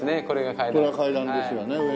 これが階段ですよね。